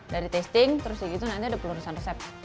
dari tasting terus lagi itu nanti ada penerusan resep